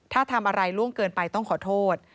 ถ้าทำอะไรล่วงเกินไปต้องขอโทษ